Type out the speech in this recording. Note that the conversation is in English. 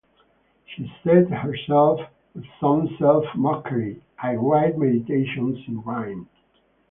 She said herself, with some self-mockery: "I write meditations in rhyme".